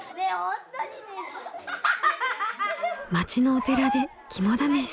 町のお寺で肝試し。